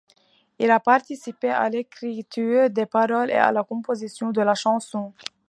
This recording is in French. Il a participé à l'écriture des paroles et à la composition de la chanson.